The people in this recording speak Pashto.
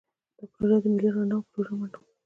دا پروژه دې د ملي رڼا پروژه ومنو.